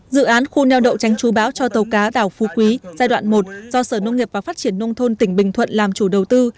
dự án khu neo đậu tránh chú bão cho tàu cá đảo phú quý giai đoạn một do sở nông nghiệp và phát triển nông thôn tỉnh bình thuận làm chủ đầu tư